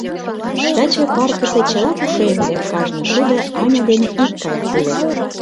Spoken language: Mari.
Таче паркысе чыла пушеҥге, кажне шудо Аня дене икгаяк улыт.